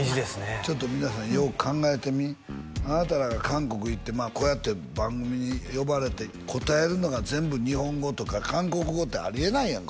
ちょっと皆さんよう考えてみあなたらが韓国行ってこうやって番組に呼ばれて答えるのが全部日本語とか韓国語ってあり得ないやんか